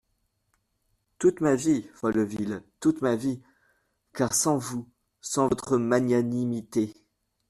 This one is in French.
Toute ma vie, Folleville, toute ma vie ! car sans vous… sans votre magnanimité…